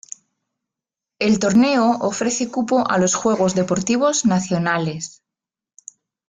El torneo ofrece cupo a los Juegos Deportivos Nacionales.